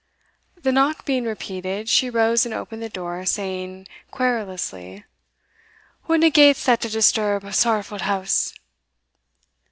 The knock being repeated, she rose and opened the door, saying querulously, "Whatna gait's that to disturb a sorrowfu' house?"